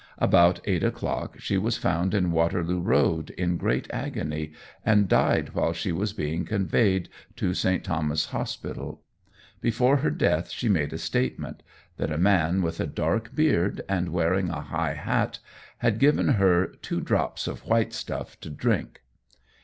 About eight o'clock she was found in Waterloo Road in great agony, and died while she was being conveyed to St. Thomas's Hospital. Before her death she made a statement, that a man with a dark beard and wearing a high hat had given her "two drops of white stuff" to drink.